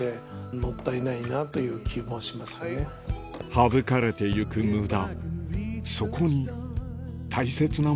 省かれて行く無駄